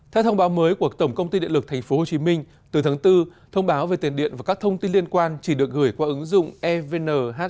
theo thông báo mới của tổng công ty điện lực tp hcm từ tháng bốn thông báo về tiền điện và các thông tin liên quan chỉ được gửi qua ứng dụng evnhc